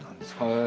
へえ。